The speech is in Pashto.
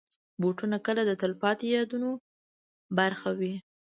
بوټونه کله د تلپاتې یادونو برخه وي.